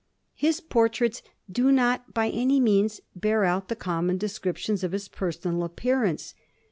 His portraits do not by any means bear out the common descriptions of his personal appearance.